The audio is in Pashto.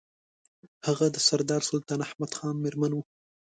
هغه د سردار سلطان احمد خان مېرمن وه.